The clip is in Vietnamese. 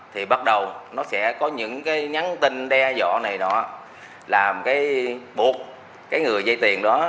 thì bắt đầu nó sẽ có những cái nhắn tin đe dọa này nọ làm cái buộc cái người dây tiền đó